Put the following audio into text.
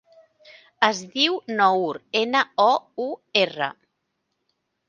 Es diu Nour: ena, o, u, erra.